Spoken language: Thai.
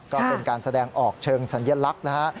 ก็เป็นการแสดงออกเชิงสัญลักษณ์นะฮะ